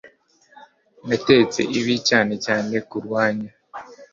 natetse ibi cyane cyane kubwanyu